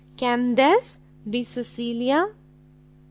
can This be Cecilia!"